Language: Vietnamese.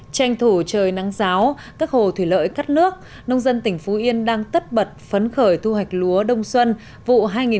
tranh thủ trời nắng giáo các hồ thủy lợi cắt nước nông dân tỉnh phú yên đang tất bật phấn khởi thu hoạch lúa đông xuân vụ hai nghìn một mươi hai nghìn hai mươi